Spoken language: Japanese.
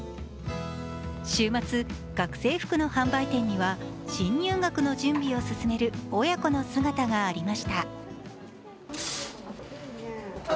週末、学生服の販売店には新入学の準備を進める親子の姿がありました。